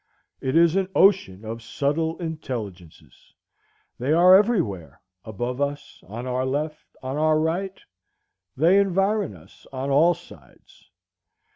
It is an ocean of subtile intelligences. They are every where, above us, on our left, on our right; they environ us on all sides."